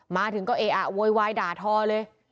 มาถึงก็เออะโวยวายด่าทอเลย